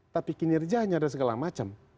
tapi kinerjanya dan segala macam